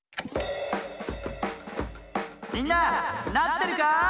みんななってるかい？